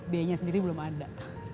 biayanya sendiri belum ada